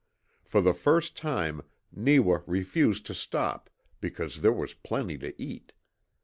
For the first time Neewa refused to stop because there was plenty to eat.